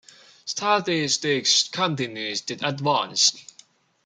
Statistics continues to advance.